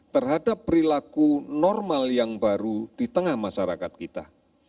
terhadap perilaku normal yang baru di tengah masyarakat kita